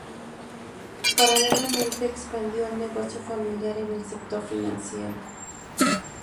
Paralelamente, expandió el negocio familiar en el sector financiero.